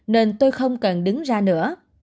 nên tôi không cần đứng ra nữa